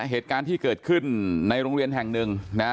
เหตุการณ์ที่เกิดขึ้นในโรงเรียนแห่งหนึ่งนะ